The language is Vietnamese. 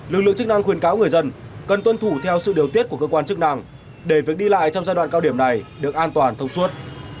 lực lượng chức năng khuyên cáo người dân cần tuân thủ theo sự điều tiết của cơ quan chức năng để việc đi lại trong giai đoạn cao điểm này được an toàn thông suốt